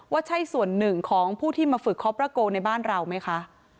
ว่าใช่ส่วนหนึ่งของผู้ที่มาฝึกคอปประโกในบ้านเราไหมคะ